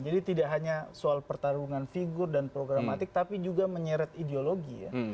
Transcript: jadi tidak hanya soal pertarungan figur dan programatik tapi juga menyeret ideologi ya